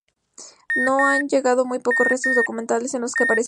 Nos han llegado muy pocos restos documentales en los que aparece Kiya.